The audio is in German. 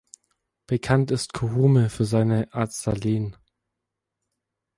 Bekannt ist Kurume für seine Azaleen.